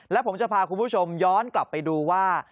และผมจะพาคุณผู้ชมย้อนกลับไปดูว่า